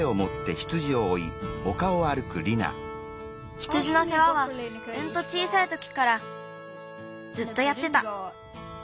羊のせわはうんと小さいときからずっとやってた。